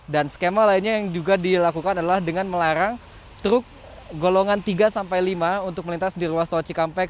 dan skema lainnya yang juga dilakukan adalah dengan melarang truk golongan tiga sampai lima untuk melintas di ruas tauci kampek